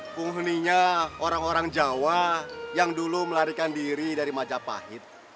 penghuninya orang orang jawa yang dulu melarikan diri dari majapahit